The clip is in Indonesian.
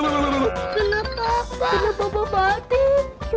kenapa bapak fatih